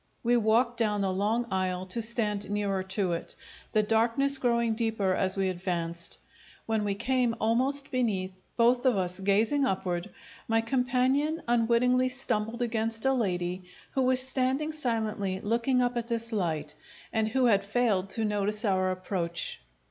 We walked down the long aisle to stand nearer to it, the darkness growing deeper as we advanced. When we came almost beneath, both of us gazing upward, my companion unwittingly stumbled against a lady who was standing silently looking up at this light, and who had failed to notice our approach.